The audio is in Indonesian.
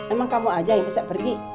emang kamu aja yang bisa pergi